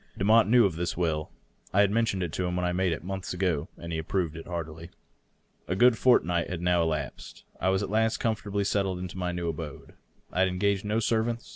Demotte knew of this will; I had men tioned it to him when I made it, monlhs ago, and he had approved it heartily. A good fortnight had now elapsed. I was at last comfortably settled in my new abode. I had engaged no servants.